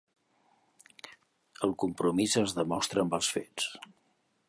El compromís es demostra amb els fets.